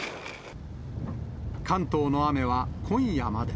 関東の雨は今夜まで。